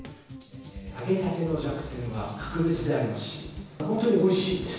揚げたてのじゃこ天は、格別でありますし、本当においしいんです。